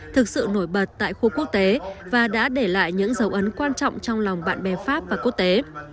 thực sự nổi bật tại khu quốc tế và đã để lại những dấu ấn quan trọng trong lòng bạn bè pháp và quốc tế